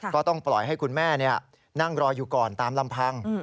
ก็ต้องปล่อยให้คุณแม่นั่งรออยู่ก่อนตามลำพัง